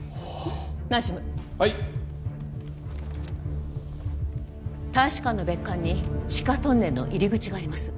ナジュムはい大使館の別館に地下トンネルの入り口があります